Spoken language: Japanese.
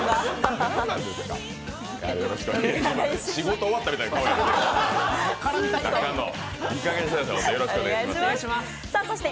仕事終わったみたいな顔やめて。